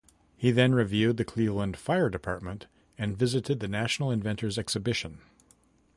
He then reviewed the Cleveland Fire Department and visited the National Inventors' Exhibition.